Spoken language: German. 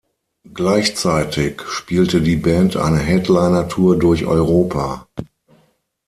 Gleichzeitig spielte die Band eine Headlinertour durch Europa.